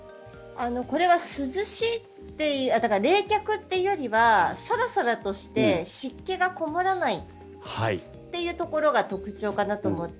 これは涼しい冷却というよりはサラサラとして湿気がこもらないというところが特徴かなと思って。